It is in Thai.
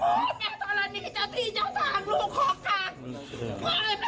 ทะลัดมิขัยเจ้าที่เจ้าทางลูกขอการ